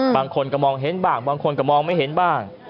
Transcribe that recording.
บางคนก็มองเห็นบ้างบางคนก็มองไม่เห็นบ้าง